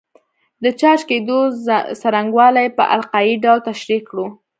د چارج کېدو څرنګوالی په القايي ډول تشریح کړو.